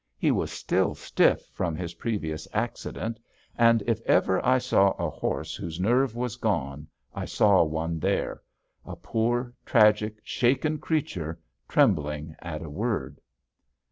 He was still stiff from his previous accident, and if ever I saw a horse whose nerve was gone, I saw one there a poor, tragic, shaken creature, trembling at a word.